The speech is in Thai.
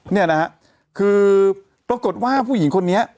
เนี่ยนะฮะคือปรากฏว่าผู้หญิงคนนี้